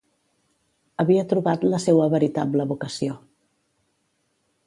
Havia trobat la seua veritable vocació.